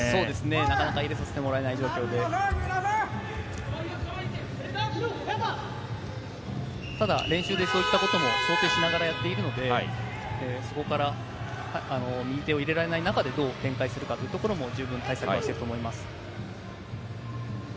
なかなか入れさせてもらえない状況で、ただ、練習でそういったことも想定しながらやっているので、そこから右手を入れられない中でどう展開するかっていう対策もしていると思います。